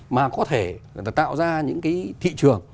mà có thể tạo ra những cái thị trường